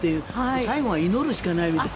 最後は祈るしかないみたいな。